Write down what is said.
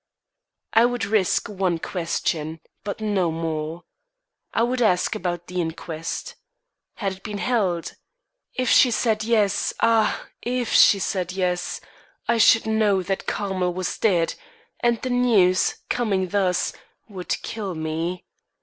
I would risk one question, but no more. I would ask about the inquest. Had it been held? If she said yes ah, if she said yes! I should know that Carmel was dead; and the news, coming thus, would kill me.